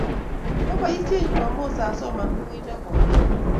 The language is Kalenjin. Kwapaisyen Chumamos asoman bukuit nekoiy.